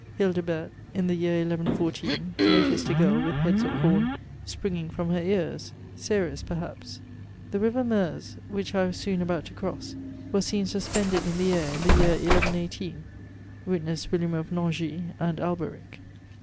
Hildebert, in the year 1114, noticed a girl with heads of com springing from Ler ears— Ceres, perhaps. The river Meuse, wmch I was soon about to 'cross, was s&ea suspended in the air in the year 1118, witness William of Nangis and Alberic.